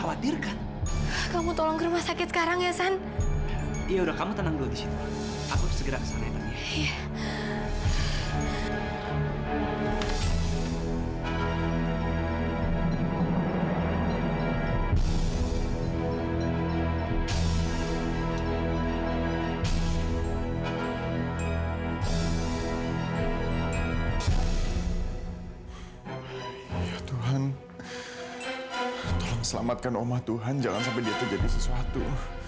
ya tuhan tolong selamatkan omah tuhan jangan sampai dia terjadi sesuatu